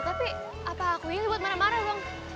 tapi apa aku ini buat marah marah dong